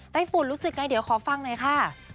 ฝุ่นรู้สึกไงเดี๋ยวขอฟังหน่อยค่ะ